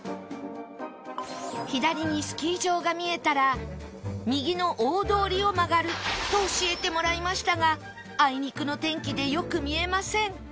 左にスキー場が見えたら右の大通りを曲がると教えてもらいましたがあいにくの天気でよく見えません